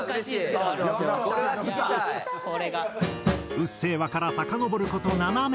『うっせぇわ』からさかのぼる事７年。